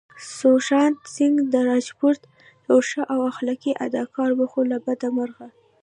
سوشانت سينګ راجپوت يو ښه او اخلاقي اداکار وو خو له بده مرغه